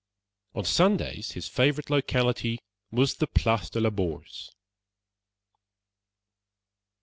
On Sundays, his favorite locality was the Place de la Bourse.